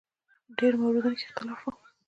ډېرو موردونو کې اختلاف و.